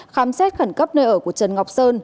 khám xét khẩn cấp nơi ở của trần ngọc sơn